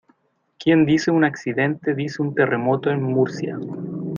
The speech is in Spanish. quien dice un accidente dice un terremoto en Murcia